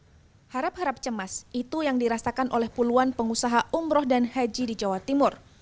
hai harap harap cemas itu yang dirasakan oleh puluhan pengusaha umroh dan haji di jawa timur